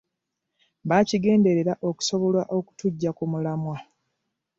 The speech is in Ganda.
Baakigenderera okusobola okutuggya ku mulamwa.